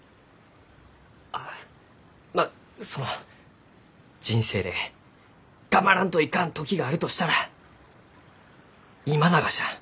あまあその人生で頑張らんといかん時があるとしたら今ながじゃ。